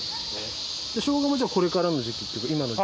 しょうがもじゃあこれからの時期っていうか今の時期。